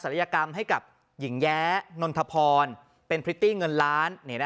ยกรรมให้กับหญิงแย้นนทพรเป็นพริตตี้เงินล้าน